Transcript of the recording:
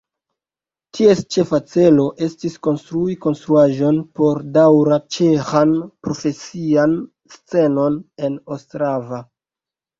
Ties ĉefa celo estis konstrui konstruaĵon por daŭra ĉeĥan profesian scenon en Ostrava.